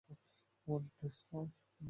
One two smile!